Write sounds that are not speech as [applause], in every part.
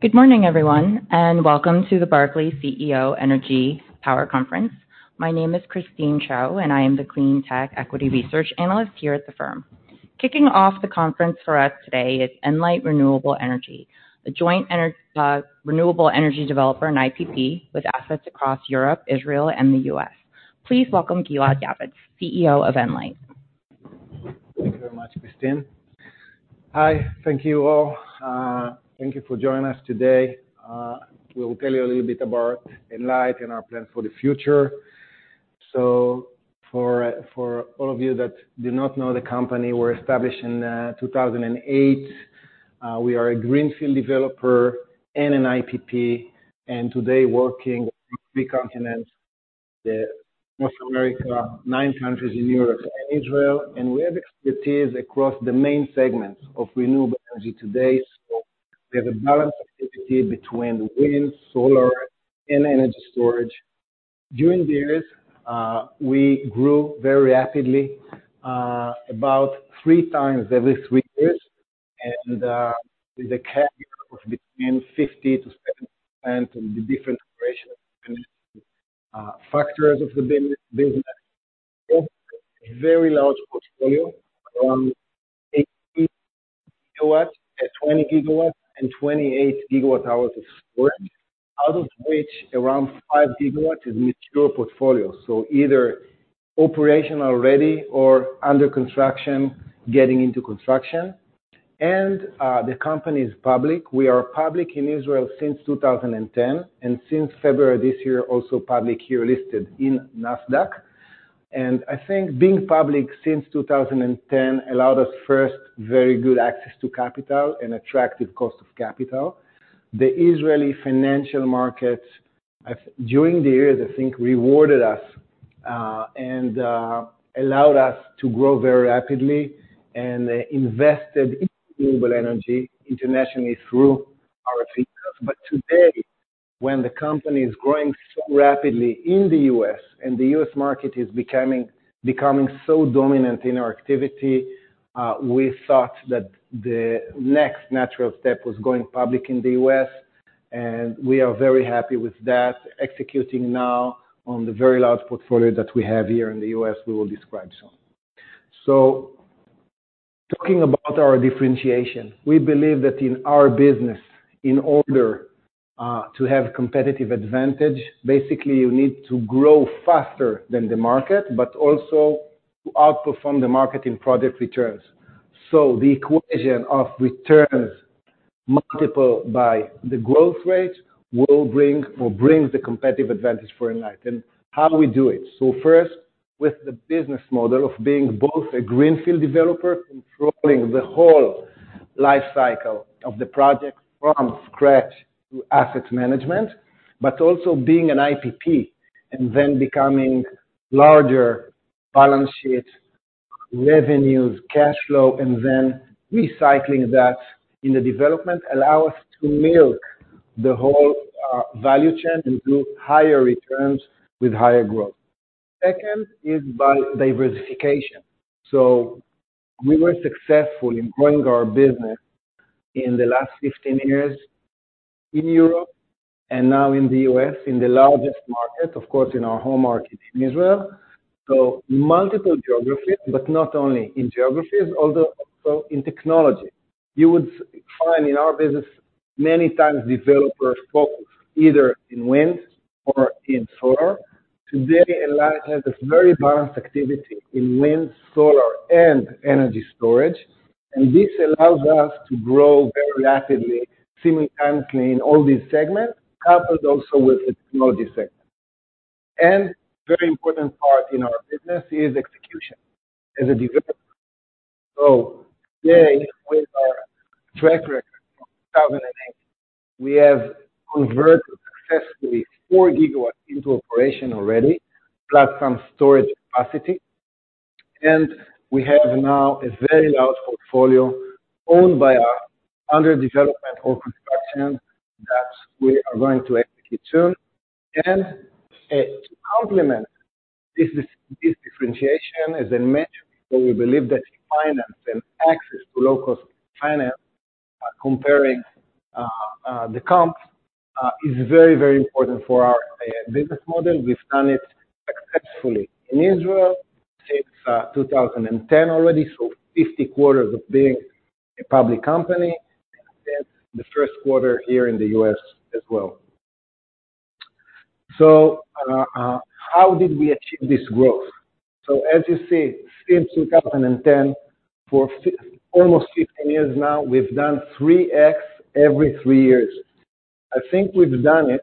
Good morning, everyone, and welcome to the Barclays CEO Energy Power Conference. My name is Christine Cho, and I am the clean tech equity research analyst here at the firm. Kicking off the conference for us today is Enlight Renewable Energy, a renewable energy developer and IPP with assets across Europe, Israel, and the U.S. Please welcome Gilad Yavetz, CEO of Enlight. Thank you very much, Christine. Hi. Thank you all. Thank you for joining us today. We'll tell you a little bit about Enlight and our plans for the future. So for all of you that do not know the company, we were established in 2008. We are a greenfield developer and an IPP, and today working in three continents, the North America, nine countries in Europe and Israel, and we have expertise across the main segments of renewable energy today. So we have a balanced activity between wind, solar, and energy storage. During the years, we grew very rapidly, about three times every three years, and with a CAGR of between 50%-70% in the different operations, factors of the business. Very large portfolio, around 18 GW, 20 GW and 28 GWh of storage, out of which around 5 GW is mature portfolio. So either operational already or under construction, getting into construction. And the company is public. We are public in Israel since 2010, and since February this year, also public here, listed in Nasdaq. And I think being public since 2010 allowed us, first, very good access to capital and attractive cost of capital. The Israeli financial markets, during the years, I think, rewarded us and allowed us to grow very rapidly and invested in renewable energy internationally through our features. But today, when the company is growing so rapidly in the U.S., and the U.S. market is becoming so dominant in our activity, we thought that the next natural step was going public in the U.S., and we are very happy with that, executing now on the very large portfolio that we have here in the U.S., we will describe soon. So talking about our differentiation, we believe that in our business, in order to have competitive advantage, basically, you need to grow faster than the market, but also to outperform the market in project returns. So the equation of returns multiple by the growth rate will bring or brings the competitive advantage for Enlight. And how do we do it? So first, with the business model of being both a greenfield developer, controlling the whole life cycle of the project from scratch to asset management, but also being an IPP and then becoming larger balance sheet, revenues, cash flow, and then recycling that in the development, allow us to milk the whole value chain and group higher returns with higher growth. Second is by diversification. So we were successful in growing our business in the last 15 years in Europe and now in the U.S., in the largest market, of course, in our home market in Israel. So multiple geographies, but not only in geographies, although also in technology. You would find in our business many times developers focus either in wind or in solar. Today, Enlight has a very balanced activity in wind, solar, and energy storage, and this allows us to grow very rapidly, simultaneously in all these segments, coupled also with the technology segment. Very important part in our business is execution as a developer. So today, with our track record from 2008, we have converted successfully 4 GW into operation already, plus some storage capacity. And we have now a very large portfolio owned by our under development or construction that we are going to execute soon. And to complement this, differentiation as a metric, so we believe that in finance and access to low-cost finance, comparing the comps, is very, very important for our business model. We've done it successfully in Israel since 2010 already, so 50 quarters of being a public company, and the first quarter here in the U.S. as well. So, how did we achieve this growth? So as you see, since 2010, almost 15 years now, we've done 3x every three years. I think we've done it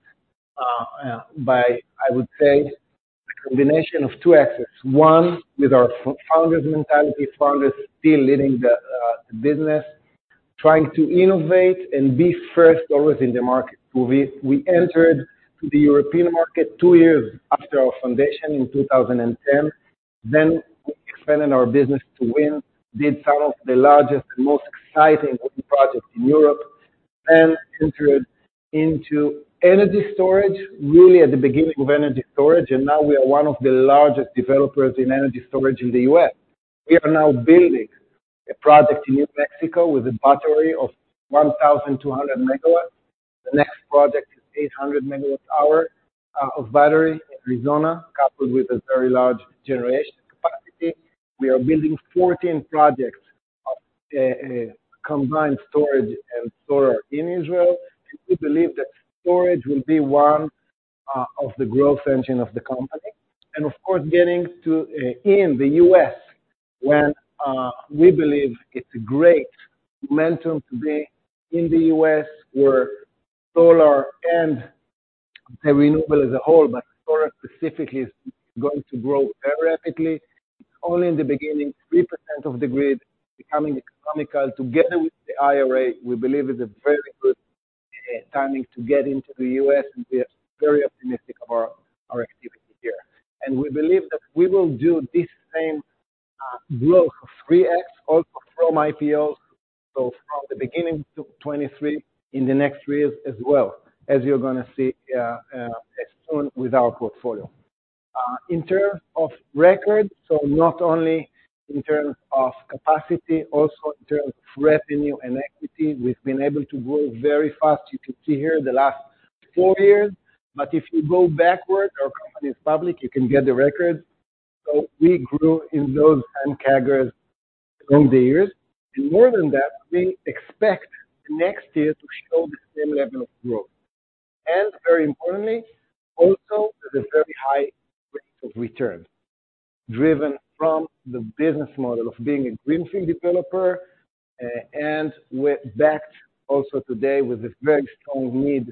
by, I would say, a combination of 2x's. One, with our founder's mentality, founder still leading the business, trying to innovate and be first always in the market. We entered the European market two years after our foundation in 2010, then we expanded our business to wind, did some of the largest and most exciting wind projects in Europe, and entered into energy storage, really at the beginning of energy storage, and now we are one of the largest developers in energy storage in the U.S. We are now building a project in New Mexico with a battery of 1,200 MWh. The next project is 800 MWh of battery in Arizona, coupled with a very large generation capacity. We are building 14 projects of combined storage and solar in Israel, and we believe that storage will be one of the growth engine of the company. And of course, getting to, in the U.S. when, we believe it's a great momentum to be in the U.S., where solar and the renewable as a whole, but solar specifically, is going to grow very rapidly. Only in the beginning, 3% of the grid becoming economical together with the IRA, we believe is a very good, timing to get into the U.S., and we are very optimistic of our, our activity here. And we believe that we will do this same, growth, 3x, also from IPOs, so from the beginning to 2023 in the next years as well, as you're gonna see, as soon with our portfolio. In terms of records, so not only in terms of capacity, also in terms of revenue and equity, we've been able to grow very fast. You can see here in the last four years, but if you go backward, our company is public, you can get the records. So we grew in those and CAGRs on the years. And more than that, we expect next year to show the same level of growth. And very importantly, also, there's a very high rate of return, driven from the business model of being a greenfield developer, and we're backed also today with a very strong need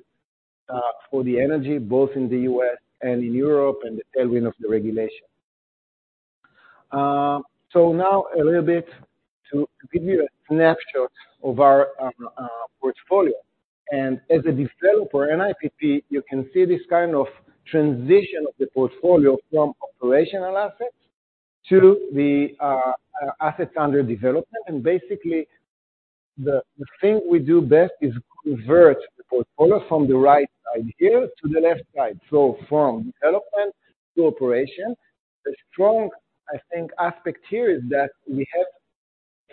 for the energy, both in the U.S. and in Europe, and the tailwind of the regulation. So now a little bit to give you a snapshot of our portfolio. And as a developer, IPP, you can see this kind of transition of the portfolio from operational assets to the asset under development. And basically, the thing we do best is convert the portfolio from the right side here to the left side. So from development to operation. The strong, I think, aspect here is that we have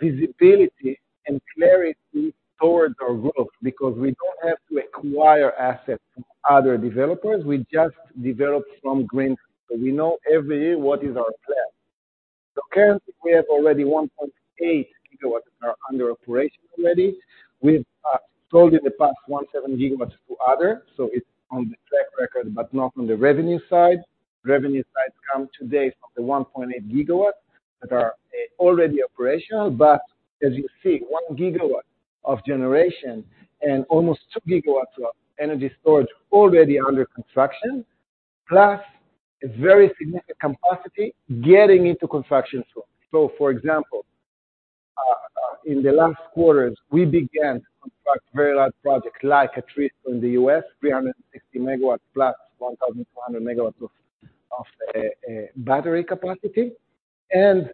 visibility and clarity towards our growth, because we don't have to acquire assets from other developers, we just develop from green. So we know every year what is our plan. So currently, we have already 1.8 GW are under operation already. We've sold in the past 1.7 GW to other, so it's on the track record, but not on the revenue side. Revenue side come today from the 1.8 GW that are already operational, but as you see, 1 GW of generation and almost 2 GW of energy storage already under construction, plus a very significant capacity getting into construction soon. So for example, in the last quarters, we began to construct very large projects, like at least in the U.S., 360 MW, plus 1,200 MWh of battery capacity. And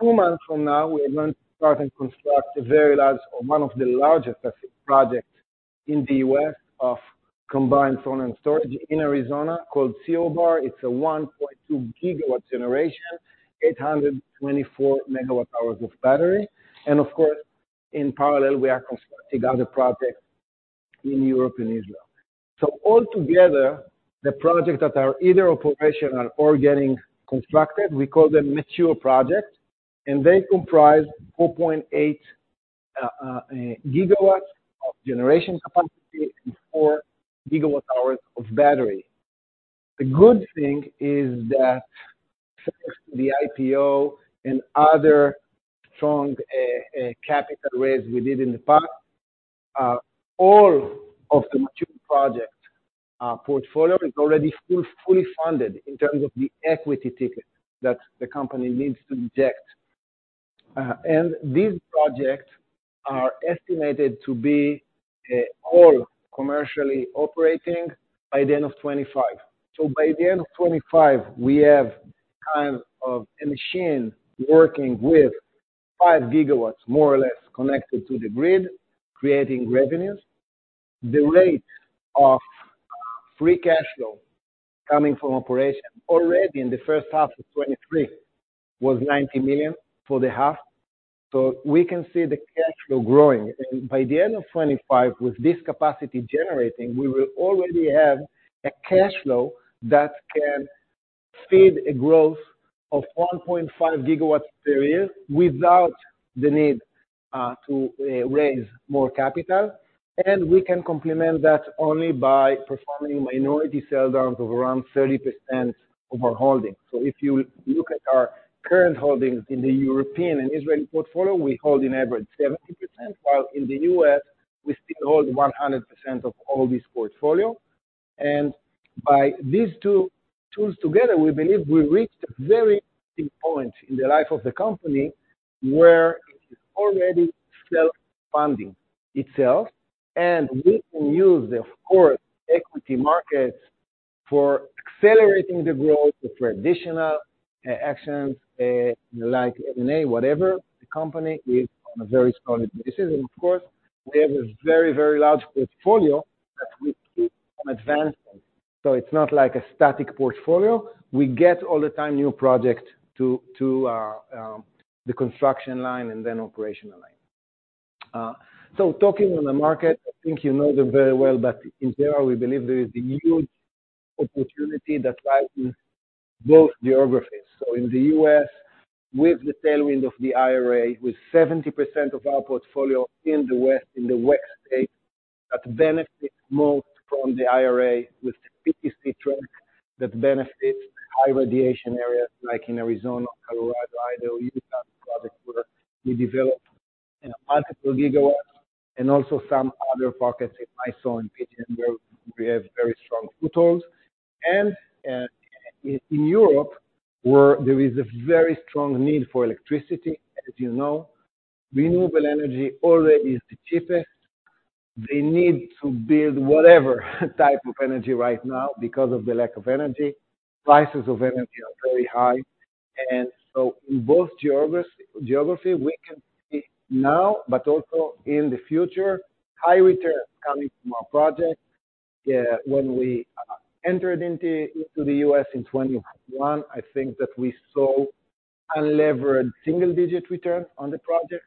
two months from now, we are going to start and construct a very large or one of the largest projects in the U.S. of combined solar and storage in Arizona, called CO Bar. It's a 1.2 GW generation, 824 MWh of battery. And of course, in parallel, we are constructing other projects in Europe and Israel. So altogether, the projects that are either operational or getting constructed, we call them mature projects, and they comprise 4.8 GW of generation capacity and 4 GW hours of battery. The good thing is that the IPO and other strong capital raise we did in the past, all of the mature project portfolio is already fully funded in terms of the equity ticket that the company needs to inject. And these projects are estimated to be all commercially operating by the end of 2025. So by the end of 2025, we have kind of a machine working with 5 GW, more or less, connected to the grid, creating revenues. The rate of free cash flow coming from operation already in the first half of 2023 was $90 million for the half, so we can see the cash flow growing. By the end of 2025, with this capacity generating, we will already have a cash flow that can feed a growth of 1.5 GW per year, without the need to raise more capital. We can complement that only by performing minority sell downs of around 30% of our holdings. So if you look at our current holdings in the European and Israeli portfolio, we hold an average 70%, while in the U.S., we still hold 100% of all this portfolio. By these two tools together, we believe we reached a very important point in the life of the company, where it is already self-funding itself, and we can use, of course, equity markets for accelerating the growth, for additional actions like M&A, whatever. The company is on a very solid basis. Of course, we have a very, very large portfolio that we keep on advancing. So it's not like a static portfolio. We get all the time new project to the construction line and then operational line. So talking on the market, I think you know them very well, but in IRA, we believe there is a huge opportunity that lies in both geographies. So in the U.S., with the tailwind of the IRA, with 70% of our portfolio in the West, in the West states, that benefits most from the IRA, with PTC track that benefits high radiation areas like in Arizona, Colorado, Idaho, Utah, projects where we developed, you know, multiple GW and also some other pockets in ISO and PJM where we have very strong footholds. In Europe, where there is a very strong need for electricity, as you know, renewable energy already is the cheapest. They need to build whatever type of energy right now because of the lack of energy. Prices of energy are very high, and so in both geography, we can see now, but also in the future, high returns coming from our projects. When we entered into the U.S. in 2021, I think that we saw unlevered single-digit returns on the project,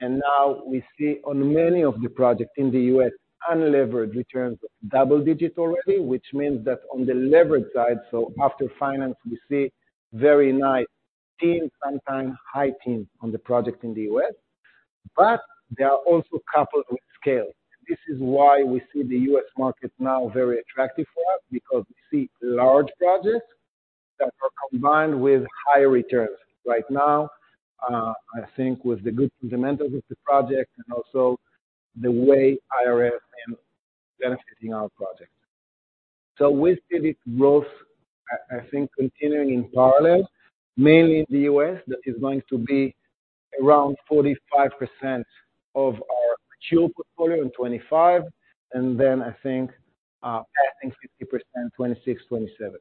and now we see on many of the projects in the U.S., unlevered returns double-digit already, which means that on the levered side, so after finance, we see very nice teens, sometimes high teens, on the project in the U.S. But they are also coupled with scale. This is why we see the U.S. market now very attractive for us, because we see large projects that are combined with high returns. Right now, I think with the good fundamentals of the project and also the way IRS is benefiting our project. So we see this growth, I, I think, continuing in parallel, mainly in the U.S., that is going to be around 45% of our mature portfolio in 2025, and then I think, passing 50%, 2026, 2027,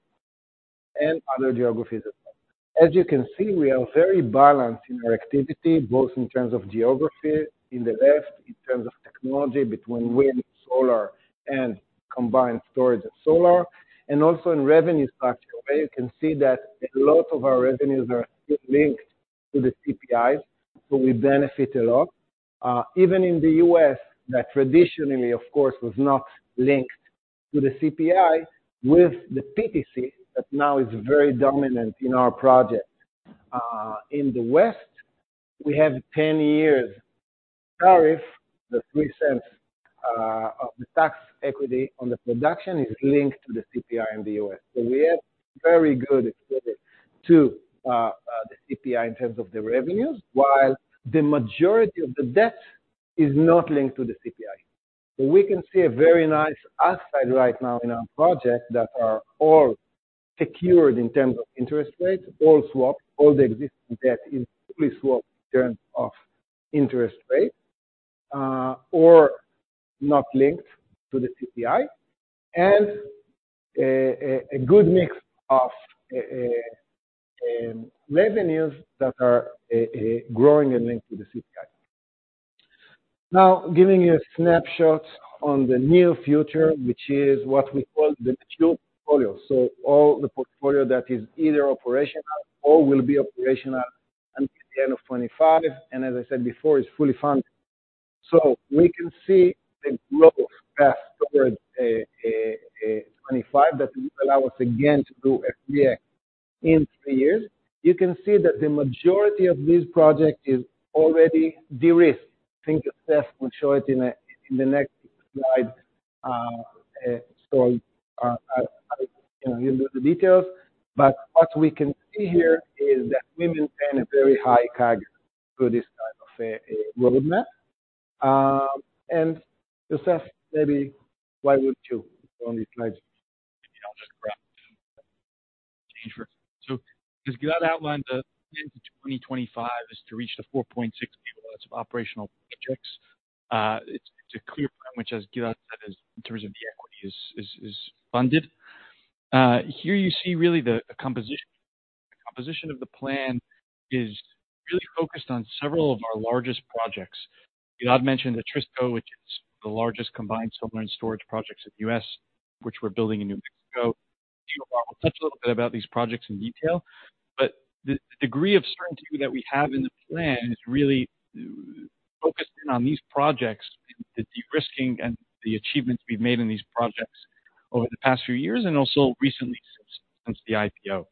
and other geographies as well. As you can see, we are very balanced in our activity, both in terms of geography, on the left, in terms of technology, between wind, solar, and combined storage and solar, and also in revenue structure, where you can see that a lot of our revenues are linked to the CPI, so we benefit a lot. Even in the U.S., that traditionally, of course, was not linked to the CPI with the PTC, that now is very dominant in our project. In the West, we have 10-year tariff. The $0.03 of the tax equity on the production is linked to the CPI in the U.S. So we have very good exposure to the CPI in terms of the revenues, while the majority of the debt is not linked to the CPI. So we can see a very nice upside right now in our projects that are all secured in terms of interest rates, all swapped, all the existing debt is fully swapped in terms of interest rates, or not linked to the CPI, and a good mix of revenues that are growing and linked to the CPI. Now, giving you a snapshot on the near future, which is what we call the mature portfolio. So all the portfolio that is either operational or will be operational until the end of 2025, and as I said before, is fully funded. So we can see the growth path toward 2025, that will allow us again to do PPA in three years. You can see that the majority of these projects is already de-risked. I think Yosef will show it in a, in the next slide, so, you know, the details. But what we can see here is that we maintain a very high CAGR through this type of roadmap. And Yosef, maybe why would you go on the next slide? As Gilad outlined, the plan for 2025 is to reach 4.8 GW of operational projects. It's a clear plan, which, as Gilad said, is in terms of the equity, is funded. Here you see really the composition. The composition of the plan is really focused on several of our largest projects. Gilad mentioned Atrisco, which is the largest combined solar and storage projects in the U.S., which we're building in New Mexico. We'll touch a little bit about these projects in detail, but the degree of certainty that we have in the plan is really focused in on these projects, the de-risking and the achievements we've made in these projects over the past few years and also recently since the IPO.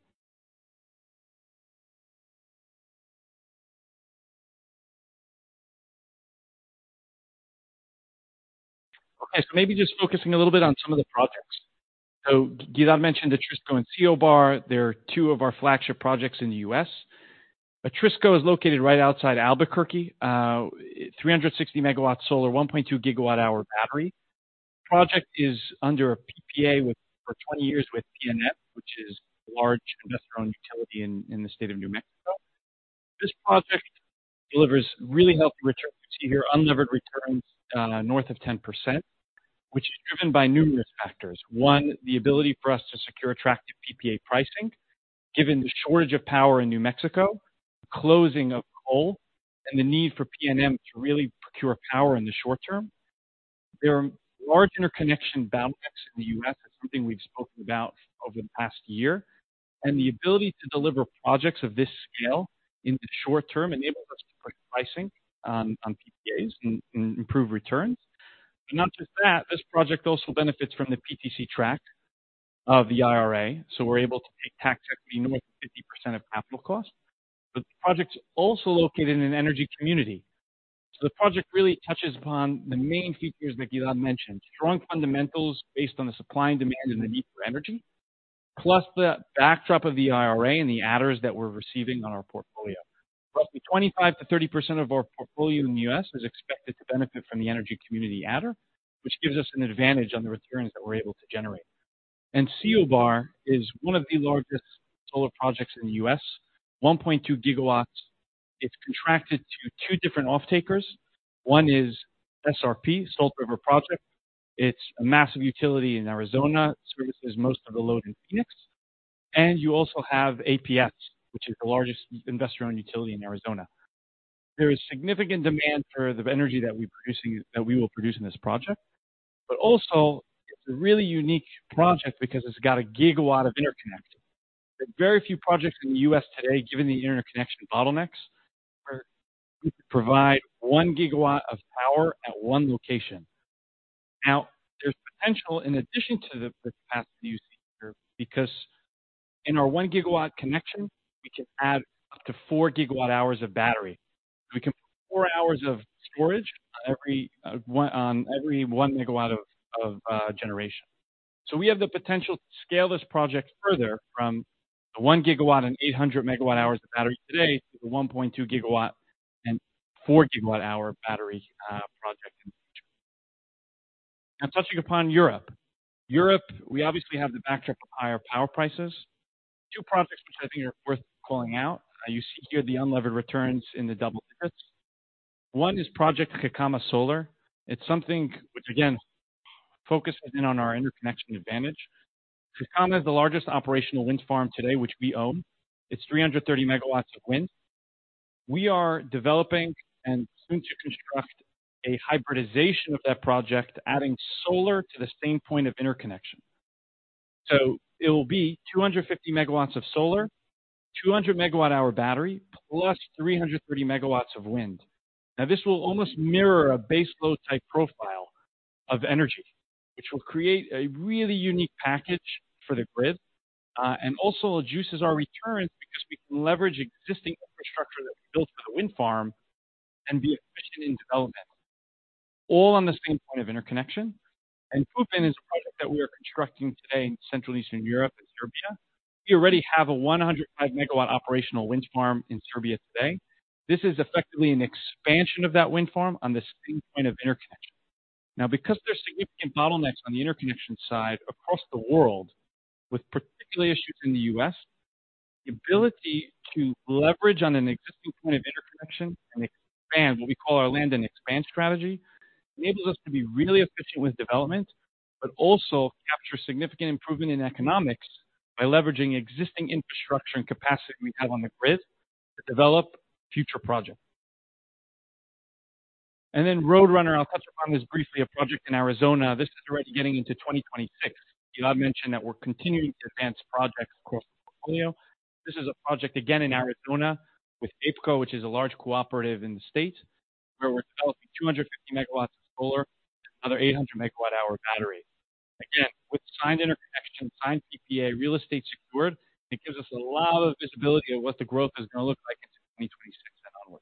Okay, so maybe just focusing a little bit on some of the projects. So Gilad mentioned Atrisco and CO Bar. They're two of our flagship projects in the U.S. Atrisco is located right outside Albuquerque. 360 MW solar, 1.2 GWh battery. Project is under a PPA with, for 20 years with PNM, which is a large investor-owned utility in the state of New Mexico. This project delivers really healthy returns. You see here, unlevered returns, north of 10%, which is driven by numerous factors. One, the ability for us to secure attractive PPA pricing, given the shortage of power in New Mexico the closing of coal and the need for PNM to really procure power in the short term. There are large interconnection bottlenecks in the U.S. That's something we've spoken about over the past year, and the ability to deliver projects of this scale in the short term enables us to put pricing on PPAs and improve returns. But not just that, this project also benefits from the PTC track of the IRA, so we're able to take tax equity north of 50% of capital costs. But the project's also located in an energy community. So the project really touches upon the main features that Gilad mentioned: strong fundamentals based on the supply and demand and the need for energy, plus the backdrop of the IRA and the adders that we're receiving on our portfolio. Roughly 25%-30% of our portfolio in the U.S. is expected to benefit from the energy community adder, which gives us an advantage on the returns that we're able to generate. CO Bar is one of the largest solar projects in the U.S., 1.2 GW. It's contracted to two different off-takers. One is SRP, Salt River Project. It's a massive utility in Arizona, services most of the load in Phoenix. And you also have APS, which is the largest investor-owned utility in Arizona. There is significant demand for the energy that we producing, that we will produce in this project, but also it's a really unique project because it's got a 1 GW of interconnect. There are very few projects in the U.S. today, given the interconnection bottlenecks, where we could provide 1 GW of power at one location. Now, there's potential in addition to the capacity you see here, because in our 1 GW connection, we can add up to 4 GWh of battery. We can four hours of storage on every one MW of generation. So we have the potential to scale this project further from the 1 GW and 800 MWh of battery today, to the 1.2 GW and 4 GWh battery project in the future. Now touching upon Europe. Europe, we obviously have the backdrop of higher power prices. Two projects which I think are worth calling out. You see here the unlevered returns in the double digits. One is Project Kovačica Solar. It's something which, again, focuses in on our interconnection advantage. Kovačica is the largest operational wind farm today, which we own. It's 330 MW of wind. We are developing and soon to construct a hybridization of that project, adding solar to the same point of interconnection. So it will be 250 MW of solar, 200 MWh battery, plus 330 MW of wind. Now, this will almost mirror a base load type profile of energy, which will create a really unique package for the grid, and also reduces our returns because we can leverage existing infrastructure that we built for the wind farm and be efficient in development, all on the same point of interconnection. And Pupin is a project that we are constructing today in Central Eastern Europe and Serbia. We already have a 105 MW operational wind farm in Serbia today. This is effectively an expansion of that wind farm on the same point of interconnection. Now, because there's significant bottlenecks on the interconnection side across the world, with particular issues in the U.S., the ability to leverage on an existing point of interconnection and expand, what we call our land and expand strategy, enables us to be really efficient with development, but also capture significant improvement in economics by leveraging existing infrastructure and capacity we have on the grid to develop future projects. Then Roadrunner, I'll touch upon this briefly, a project in Arizona. This is already getting into 2026. Gilad mentioned that we're continuing to advance projects across the portfolio. This is a project, again, in Arizona with AEPCO, which is a large cooperative in the state, where we're developing 250 MW of solar, another 800 MWh battery. Again, with signed interconnection, signed PPA, real estate secured, it gives us a lot of visibility of what the growth is going to look like into 2026 and onward.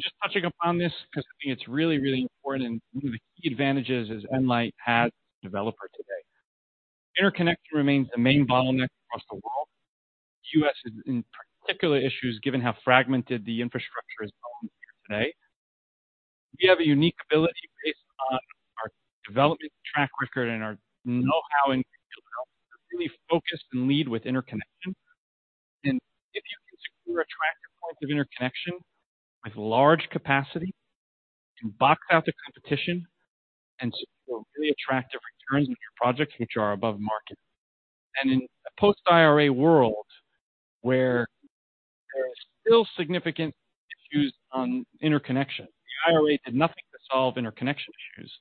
Just touching upon this, because I think it's really, really important and one of the key advantages is Enlight has a developer today. Interconnection remains the main bottleneck across the world. U.S. is in particular issues given how fragmented the infrastructure is here today. We have a unique ability based on our development track record and our know-how in development, really focused and lead with interconnection. If you can secure attractive points of interconnection with large capacity, you box out the competition and secure really attractive returns on your projects, which are above market. In a post-IRA world, where there are still significant issues on interconnection, the IRA did nothing to solve interconnection issues.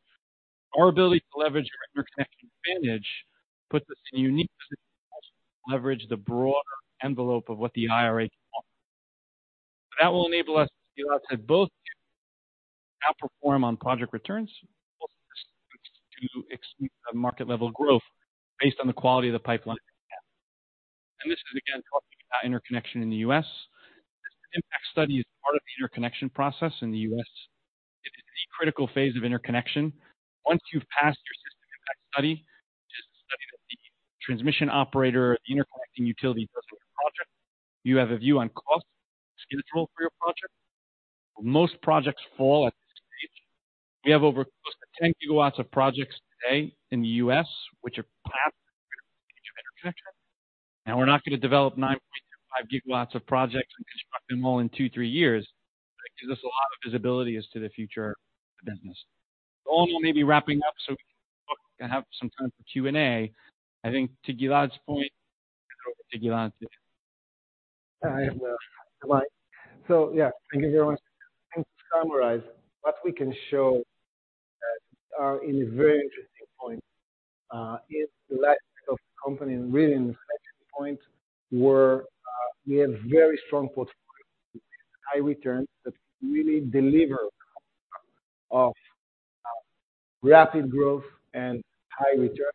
Our ability to leverage our interconnection advantage puts us in a unique position to leverage the broader envelope of what the IRA can offer. That will enable us to be outside both outperform on project returns, both to exceed the market level growth based on the quality of the pipeline. This is again, talking about interconnection in the U.S. The impact study is part of the interconnection process in the U.S. It is the critical phase of interconnection. Once you've passed your System Impact Study, which is a study that the transmission operator, the interconnecting utility, does with the project, you have a view on cost schedule for your project. Most projects fall at this stage. We have over close to 10 GW of projects today in the U.S., which are passed interconnection, and we're not going to develop 9.5 GW of projects and construct them all in two to three years. Gives us a lot of visibility as to the future of the business. All maybe wrapping up so we and have some time for Q&A. I think to Gilad's point, over to Gilad. Hi, well, good morning. So, yeah, thank you very much. I think to summarize what we can show that we are in a very interesting point, is the life of the company really in the inflection point where we have very strong portfolio, high returns, that really deliver of rapid growth and high returns.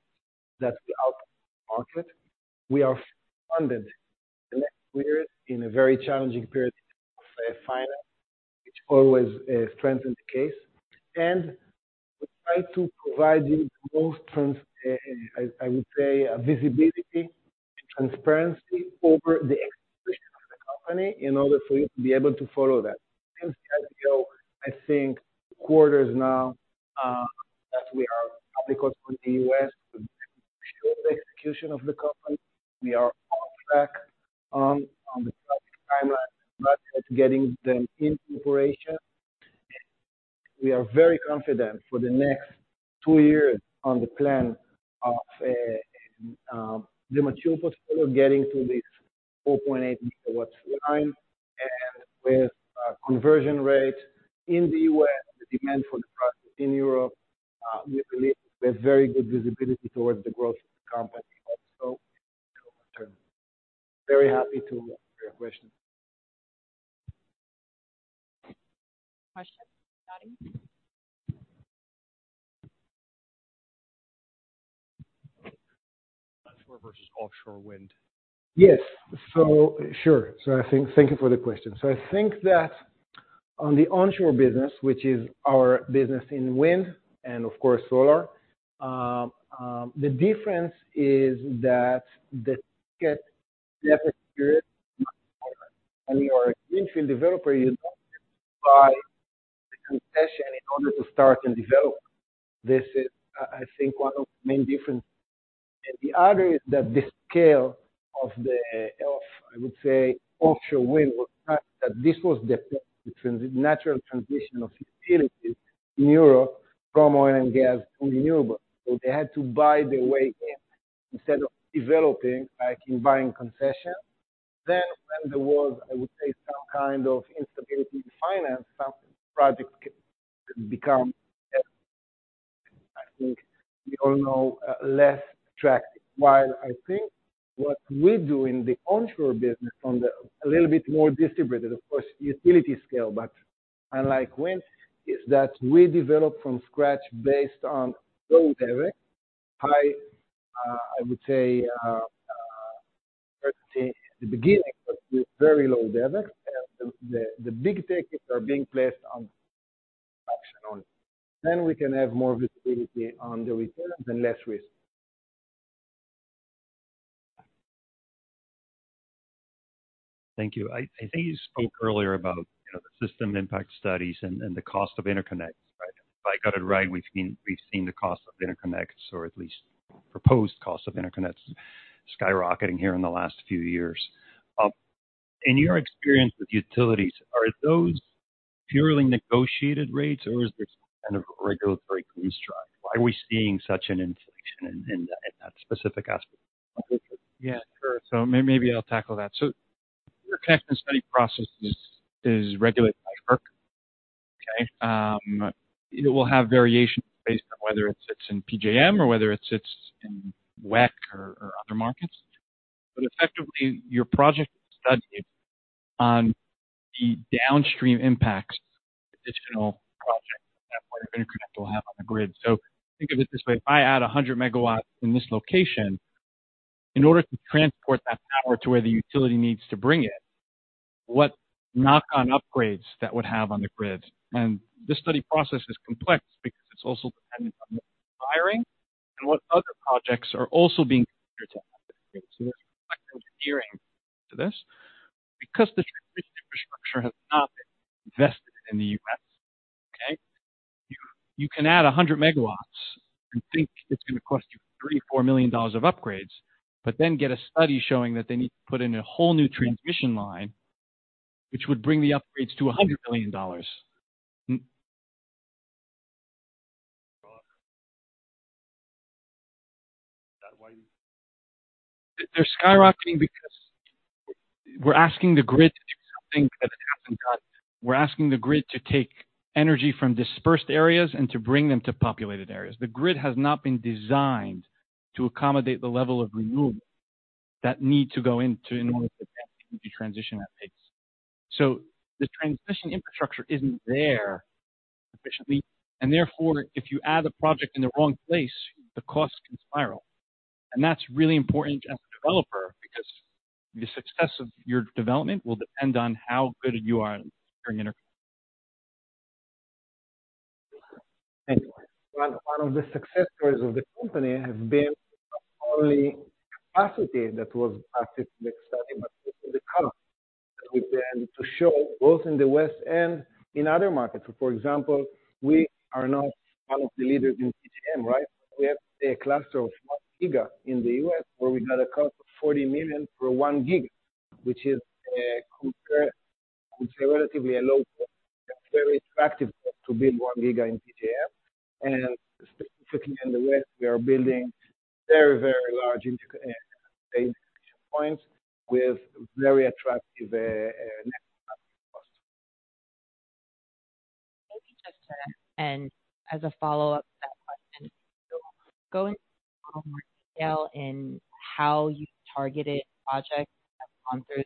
That's the outlook. We are funded the next two years in a very challenging period of finance, which always strengthens the case. And we try to provide you the most transparent, I would say, visibility and transparency over the execution of the company in order for you to be able to follow that. Since the IPO, I think four quarters now, as we are public on the U.S., show the execution of the company, we are on track on the timeline, but it's getting them in operation. We are very confident for the next two years on the plan of the mature portfolio, getting to this 4.8 GW line, and with conversion rates in the U.S., the demand for the product in Europe, we believe we have very good visibility towards the growth of the company also return. Very happy to answer your question. Questions, Johnny? Onshore versus offshore wind. Yes. So sure. So I think. Thank you for the question. So I think that on the onshore business, which is our business in wind and of course, solar, the difference is that the, [audio distortion] when you are a greenfield developer, you buy the concession in order to start and develop. This is, I think, one of the main differences. And the other is that the scale of the, I would say, offshore wind, was that this was the natural transition of utilities in Europe, from oil and gas to renewable. So they had to buy their way in instead of developing, like in buying concessions. Then when there was, I would say, some kind of instability in finance, some projects become, I think we all know, less attractive. While I think what we do in the onshore business, from a little bit more distributed, of course, the utility scale, but unlike wind, is that we develop from scratch based on low debt, high, I would say, at the beginning, but with very low debt, and the big tickets are being placed on auction only. Then we can have more visibility on the returns and less risk. Thank you. I think you spoke earlier about, you know, the system impact studies and the cost of interconnects, right? If I got it right, we've seen the cost of interconnects, or at least proposed costs of interconnects, skyrocketing here in the last few years. In your experience with utilities, are those purely negotiated rates, or is this kind of a regulatory? [audio distortion] Why are we seeing such an inflation in that specific aspect? Yeah, sure. So maybe I'll tackle that. So your connection study processes is regulated by FERC. Okay, it will have variations based on whether it sits in PJM or whether it sits in WECC or other markets. But effectively, your project is studied on the downstream impacts, additional projects point of interconnect will have on the grid. So think of it this way: if I add 100 MW in this location, in order to transport that power to where the utility needs to bring it, what knock-on upgrades that would have on the grid? And this study process is complex because it's also dependent on the hiring and what other projects are also being considered to add. So there's engineering to this. Because the traditional infrastructure has not been invested in the U.S., okay, you, you can add 100 MW and think it's going to cost you $3million -$4 million of upgrades, but then get a study showing that they need to put in a whole new transmission line, which would bring the upgrades to $100 million. They're skyrocketing because we're asking the grid to do something that it hasn't done. We're asking the grid to take energy from dispersed areas and to bring them to populated areas. The grid has not been designed to accommodate the level of renewables that need to go into in order to transition at pace. So the transmission infrastructure isn't there efficiently, and therefore, if you add a project in the wrong place, the cost can spiral. That's really important as a developer, because the success of your development will depend on how good you are at during interconnect. Anyway, one of the success stories of the company has been not only capacity that was active in the study, but in the current. We've been to show, both in the West and in other markets, for example, we are now one of the leaders in PJM, right? We have a cluster of 1 giga in the U.S., where we got a cost of $40 million for 1 gig, which is a relatively low cost. Very attractive to build 1 giga in PJM, and specifically in the West, we are building very, very large integration points with very attractive cost. Maybe just to end, as a follow-up to that question, go into a little more detail in how you targeted projects that gone through,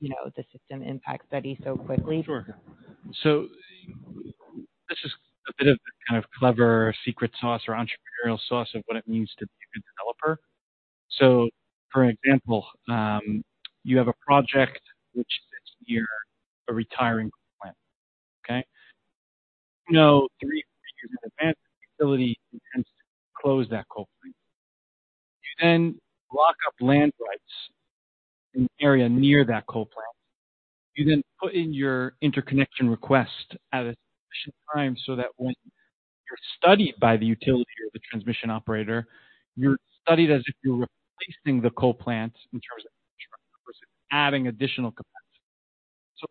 you know, the System Impact Study so quickly. Sure. So this is a bit of the kind of clever secret sauce or entrepreneurial sauce of what it means to be a good developer. So, for example, you have a project which sits near a retiring plant, okay? No, three years in advance, the facility intends to close that coal plant. You then lock up land rights in the area near that coal plant. You then put in your interconnection request at a sufficient time so that when you're studied by the utility or the transmission operator, you're studied as if you're replacing the coal plant in terms of versus adding additional capacity. So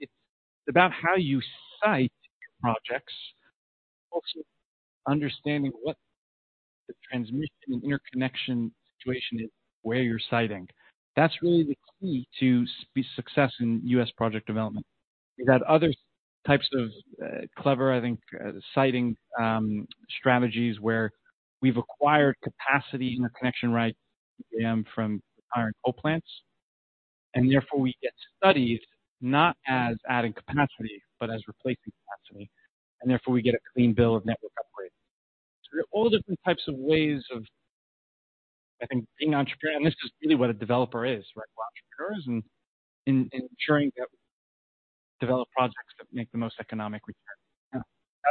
it's about how you site your projects, also understanding what the transmission and interconnection situation is, where you're siting. That's really the key to success in U.S. project development. We've had other types of clever, I think, siting strategies where we've acquired capacity interconnection rights from retiring coal plants, and therefore we get studied not as adding capacity, but as replacing capacity, and therefore we get a clean bill of network upgrade. So there are all different types of ways of, I think, being entrepreneurial, and this is really what a developer is, right? Well, entrepreneurs and ensuring that we develop projects that make the most economic return. Yeah.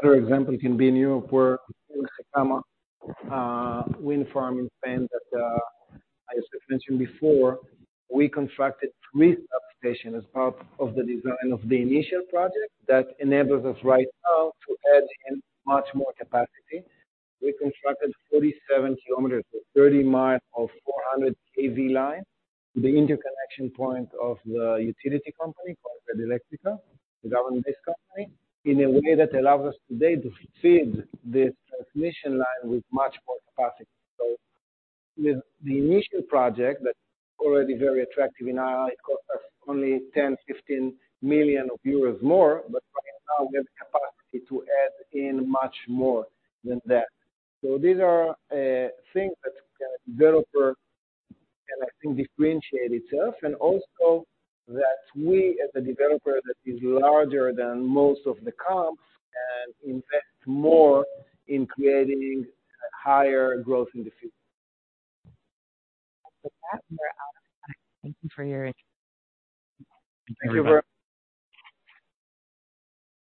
Other example can be in Europe, where wind farm in Spain, that as I mentioned before, we constructed 3 substation as part of the design of the initial project. That enables us right now to add in much more capacity. We constructed 47 km, or 30mi, of 400 kV line, the interconnection point of the utility company called Red Eléctrica, the government-based company, in a way that allows us today to feed this transmission line with much more capacity. So with the initial project, that's already very attractive, and now it cost us only 10 million-15 million euros more, but right now we have the capacity to add in much more than that. These are things that a developer can, I think, differentiate itself, and also that we, as a developer that is larger than most of the comps, can invest more in creating higher growth in the future. With that, we're out of time. Thank you for your. Thank you very much.